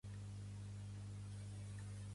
Vox es va defensar?